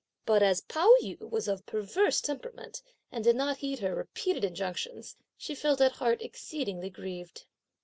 But as Pao yü was of a perverse temperament and did not heed her repeated injunctions, she felt at heart exceedingly grieved.